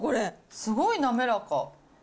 すごい滑らか。